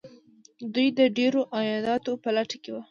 دوی د ډیرو عایداتو په لټه کې وو.